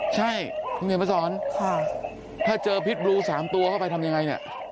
ใช่คุณเขียนมาสอนถ้าเจอพิษบลู๓ตัวเข้าไปทำยังไงเนี่ย